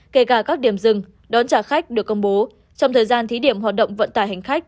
kể cả các điểm dừng đón trả khách được công bố trong thời gian thí điểm hoạt động vận tải hành khách